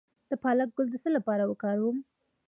د پالک ګل د څه لپاره وکاروم؟